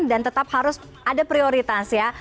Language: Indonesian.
dan tetap harus ada prioritas ya